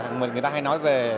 người ta hay nói về